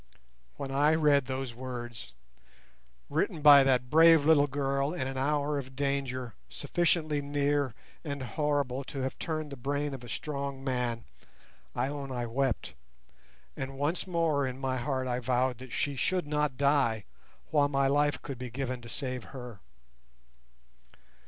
When I read those words, written by that brave little girl in an hour of danger sufficiently near and horrible to have turned the brain of a strong man, I own I wept, and once more in my heart I vowed that she should not die while my life could be given to save her.